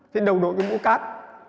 thế đầu đội cái mũ cát